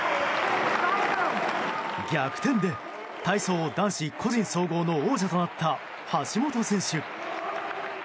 逆転で体操男子個人総合の王者となった橋本選手。